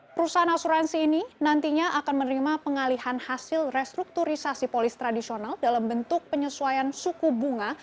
perusahaan asuransi ini nantinya akan menerima pengalihan hasil restrukturisasi polis tradisional dalam bentuk penyesuaian suku bunga